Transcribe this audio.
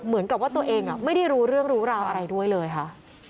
เหมือนกับว่าตัวเองไม่ได้รู้เรื่องรู้ราวอะไรด้วยเลยค่ะ